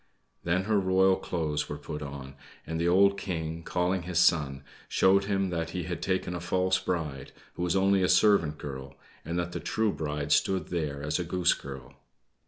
Then her royal clothes were put on, and the old King, calling his son, showed him that he had taken a false bride, who was only a servant girl, and that the true bride stood there as a Goose Girl.